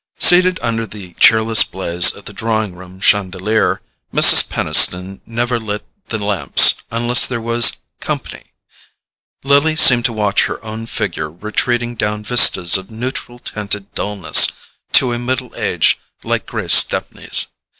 Seated under the cheerless blaze of the drawing room chandelier—Mrs. Peniston never lit the lamps unless there was "company"—Lily seemed to watch her own figure retreating down vistas of neutral tinted dulness to a middle age like Grace Stepney's.